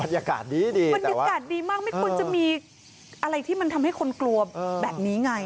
อากาศดีดีบรรยากาศดีมากไม่ควรจะมีอะไรที่มันทำให้คนกลัวแบบนี้ไง